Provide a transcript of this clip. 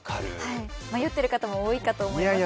迷っている方も多いかと思います。